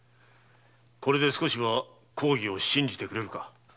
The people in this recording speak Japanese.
これで少しは公儀を信じてくれるか？